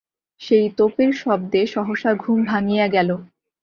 সেই তোপের শব্দে সহসা ঘুম ভাঙিয়া গেল।